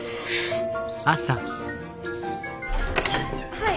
はい。